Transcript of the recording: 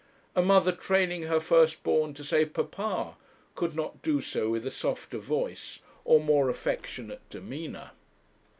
A mother training her first born to say 'papa,' could not do so with a softer voice, or more affectionate demeanour.